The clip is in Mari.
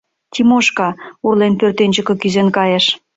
— Тимошка, урлен, пӧртӧнчыкӧ кӱзен кайыш.